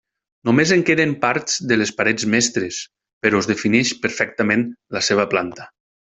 Només en queden parts de les parets mestres, però es defineix perfectament la seva planta.